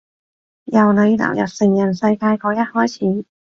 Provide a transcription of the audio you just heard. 由你踏入成人世界嗰刻開始